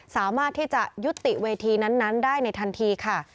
สามารถที่จะยุติเวทีนั้นได้ในทันทีค่ะ